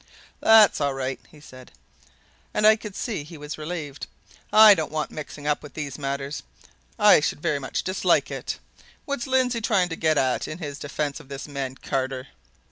"That's all right," he said, and I could see he was relieved. "I don't want mixing up with these matters I should very much dislike it. What's Lindsey trying to get at in his defence of this man Carter?"